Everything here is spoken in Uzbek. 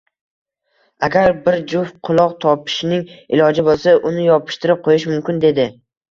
Agar bir juft quloq topishning iloji bo`lsa, uni yopishtirib qo`yish mumkin, dedi